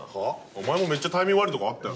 お前もめっちゃタイミング悪いとこあったよ。